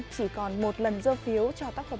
chỉ còn một lần dơ phiếu cho tác phẩm